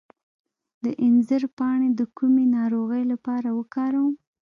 د انځر پاڼې د کومې ناروغۍ لپاره وکاروم؟